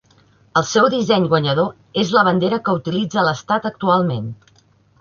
El seu disseny guanyador és la bandera que utilitza l'estat actualment.